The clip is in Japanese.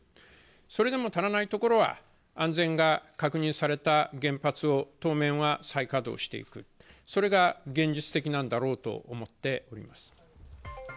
それでも足らないところは、安全が確認された原発を当面は再稼働していく、それが現実的なんだろうと思っております。